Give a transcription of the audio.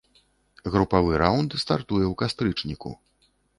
Групавы раўнд стартуе ў кастрычніку.